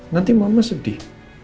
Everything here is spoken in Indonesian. nanti mama sedih